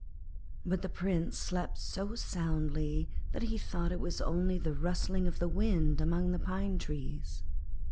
But the Prince slept so soundly that he thought it was only the rustling of the wind among the pine trees.